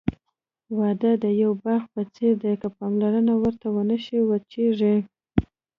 واده د یوه باغ په څېر دی، که پاملرنه ورته ونشي، وچېږي.